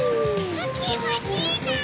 きもちいいゾウ！